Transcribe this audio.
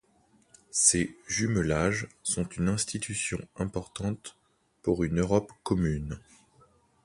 Ces jumelages sont une institution importante pour une Europe commune.